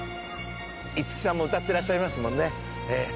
五木さんも歌ってらっしゃいますもんね。